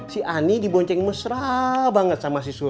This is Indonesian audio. si ani dibonceng mesra banget sama si surya